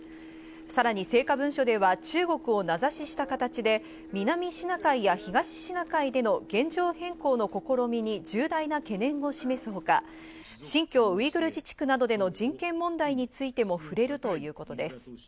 さらに成果文書では中国を名指しした形で南シナ海や東シナ海での現状変更の試みに、重大な懸念を示すほか、新疆ウイグル自治区などでの人権問題についても触れるということです。